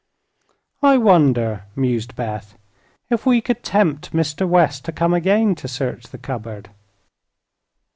"I wonder," mused Beth, "if we could tempt Mr. West to come again to search the cupboard."